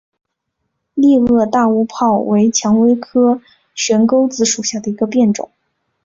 裂萼大乌泡为蔷薇科悬钩子属下的一个变种。